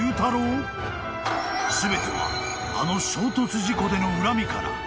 ［全てはあの衝突事故での恨みから］